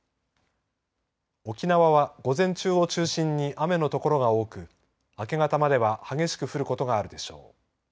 沖縄は午前中を中心に雨の所が多く明け方までは激しく降ることがあるでしょう。